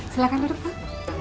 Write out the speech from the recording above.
silahkan duduk pak